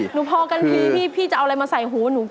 หนูพอกันพี่พี่จะเอาอะไรมาใส่หู